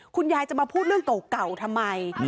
คุณยายจะมาพูดเรื่องเก่าทำไม